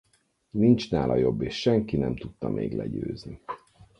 Nincs nála jobb és senki nem tudta még legyőzni.